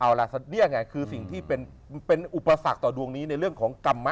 เอาล่ะนี่ไงคือสิ่งที่เป็นอุปสรรคต่อดวงนี้ในเรื่องของกรรมะ